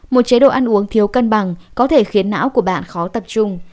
một chế độ ăn uống thiếu cân bằng có thể khiến não của bạn khó tập trung